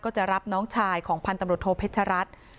จะรับน้องชายของพันธุ์ตำรวจโทเพชรัตน์